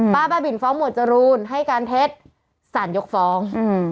บ้าบินฟ้องหมวดจรูนให้การเท็จสารยกฟ้อง